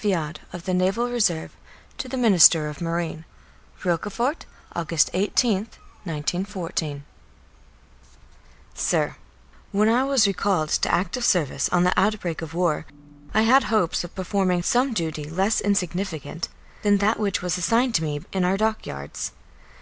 VIAUD OF THE NAVAL RESERVE, TO THE MINISTER OF MARINE. Rochefort, August 18th, 1914. SIR, When I was recalled to active service on the outbreak of war I had hopes of performing some duty less insignificant than that which was assigned to me in our dock yards.